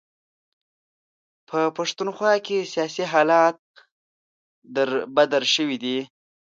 په پښتونخوا کې سیاسي حالات در بدر شوي دي.